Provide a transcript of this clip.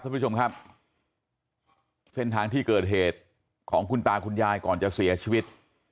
ท่านผู้ชมครับเส้นทางที่เกิดเหตุของคุณตาคุณยายก่อนจะเสียชีวิต